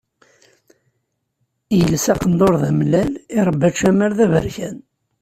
Yelsa aqendur d amellal, irebba ačamar d aberkan.